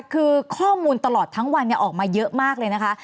คือข้อมูลตลอดทั้งวันออกมาเยอะมากเลยนะคะ